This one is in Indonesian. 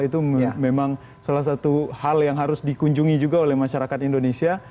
itu memang salah satu hal yang harus dikunjungi juga oleh masyarakat indonesia